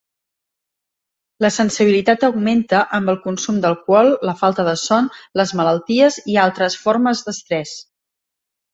La sensibilitat augmenta amb el consum d'alcohol, la falta de son, les malalties i altres formes d'estrès.